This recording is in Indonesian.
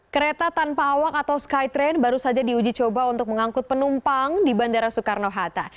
kereta tanpa awak atau skytrain baru saja diuji coba untuk mengangkut penumpang di bandara soekarno hatta